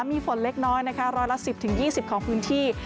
มีฝนเล็กน้อยนะคะร้อยละ๑๐๒๐ของพื้นที่